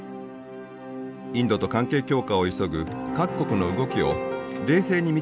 インドと関係強化を急ぐ各国の動きを冷静に見ている専門家がいます。